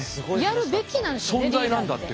やるべきなんですよねリーダーって。